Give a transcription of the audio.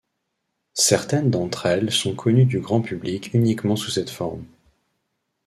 Certaines d'entre elles sont connues du grand public uniquement sous cette forme.